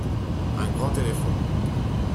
Un grand éléphant.